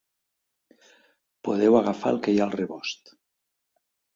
Podeu agafar el que hi ha al rebost.